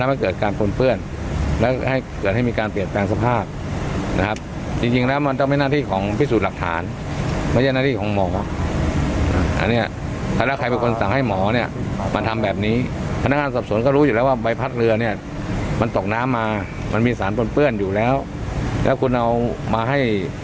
มีผู้อัจฉริยะก็พูดไปฟังเสียผู้อัจฉริยะหน่อยฮะ